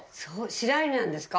白百合なんですか？